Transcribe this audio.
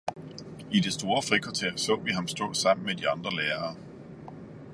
I det store frikvarter, så vi ham stå sammen med de andre lærere.